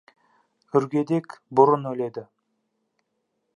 Үргедек бұрын өледі.